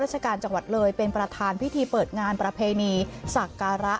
ราชการจังหวัดเลยเป็นประธานพิธีเปิดงานประเพณีสักการะ